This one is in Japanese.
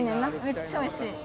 めっちゃおいしい。